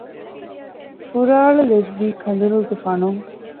ފުރާޅުލެއްވީ ކަދުރުގެ ފަނުން